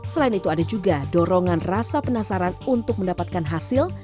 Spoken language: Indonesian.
selain itu ada juga dorongan rasa penasaran untuk mendapatkan hasil